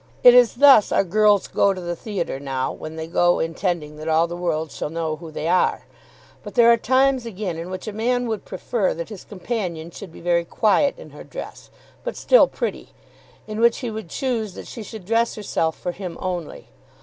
It is thus our girls go to the theatre now, when they go intending that all the world shall know who they are. But there are times again in which a man would prefer that his companion should be very quiet in her dress, but still pretty; in which he would choose that she should dress herself for him only.